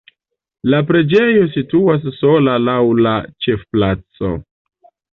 La preĝejo situas sola laŭ la ĉefplaco.